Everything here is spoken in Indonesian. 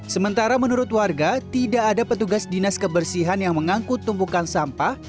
sementara menurut warga tidak ada petugas dinas kebersihan yang mengangkut tumpukan sampah